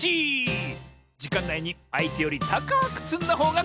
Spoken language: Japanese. じかんないにあいてよりたかくつんだほうがかちサボよ！